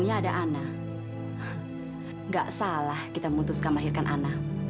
gak salah kita memutuskan melahirkan ana